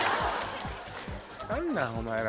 何なんお前ら！